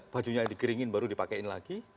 bajunya dikeringin baru dipakaiin lagi